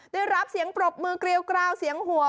ได้รับเสียงปรบมือเกลียวกราวเสียงหัว